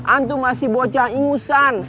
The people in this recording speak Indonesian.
antum masih bocah ingusan